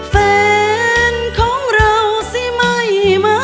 แฟนของเราสิไม่มา